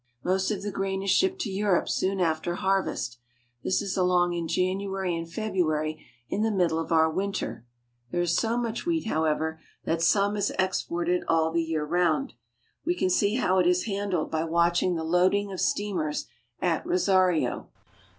Most of the grain is shipped to Europe soon after har vest. This is along in January and February, in the mid dle of our winter. There is so much wheat, however, that GREAT FRUIT AND BREAD LANDS. some is exported all the year round. We can see how it is handled by watching the loading of steamers at Rosario.